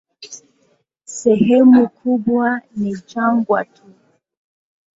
Sehemu kubwa ni jangwa tu.